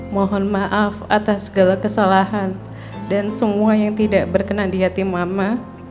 mohon maaf atas segala kesalahan dan semua yang tidak berkenan di hati mama